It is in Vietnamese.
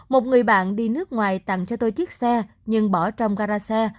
một người bạn đi nước ngoài tặng cho tôi chiếc xe nhưng bỏ trong gara